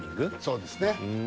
そうですねはい。